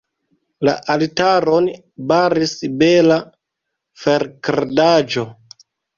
La altaron baris bela ferkradaĵo.